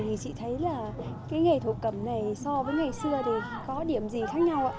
thì chị thấy là nghề thổ cầm này so với ngày xưa có điểm gì khác nhau ạ